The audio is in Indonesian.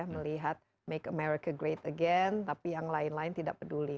melihat make america great again tapi yang lain lain tidak peduli